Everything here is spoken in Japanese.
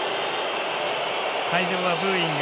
会場はブーイング。